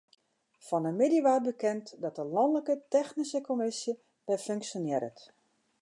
Fan 'e middei waard bekend dat de lanlike technyske kommisje wer funksjonearret.